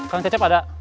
kang cecep ada